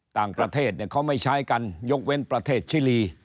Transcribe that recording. ต่างประเทศเขาไม่ใช้กันยกเว้นประเทศชิลี